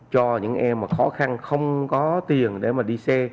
cho những em khó khăn không có tiền để đi xe